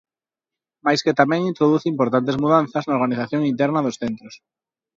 Mais que tamén introduce importantes mudanzas na organización interna dos centros.